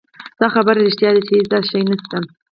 دا خبره رښتيا ده چې هېڅ داسې شی نشته